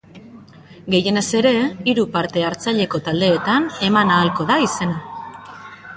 Gehienez ere hiru parte hartzaileko taldeetan eman ahalko da izena.